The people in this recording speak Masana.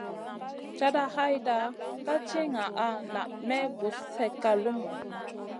Cata hayta ka ti ŋaʼa naa may gus slèkka lumuʼu.